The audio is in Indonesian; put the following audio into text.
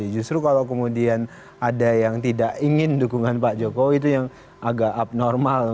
justru kalau kemudian ada yang tidak ingin dukungan pak jokowi itu yang agak abnormal